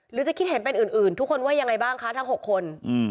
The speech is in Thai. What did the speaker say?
หรือจะคิดเห็นเป็นอื่นทุกคนว่ายังไงบ้างคะทั้ง๖คน